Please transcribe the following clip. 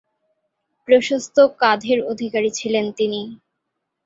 প্রশস্ত কাঁধের অধিকারী ছিলেন তিনি।